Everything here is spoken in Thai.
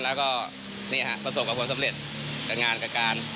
แล้วก็นี่ค่ะประสบความสำเร็จการงานการ